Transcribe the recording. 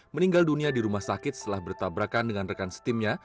meninggal dunia di rumah sakit setelah bertabrakan dengan rekan setimnya